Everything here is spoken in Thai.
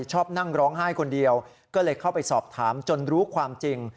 ชอบนั่งร้องไห้คนเดียวก็เลยเข้าไปสอบถามจนรู้ความจริง